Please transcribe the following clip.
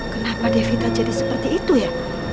kenapa devita jadi seperti itu ya